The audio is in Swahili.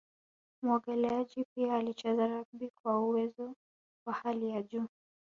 Muogeleaji pia alicheza rugby kwa uwezo wa hali ya juu